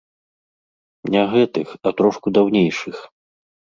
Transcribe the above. Не гэтых, а трошку даўнейшых.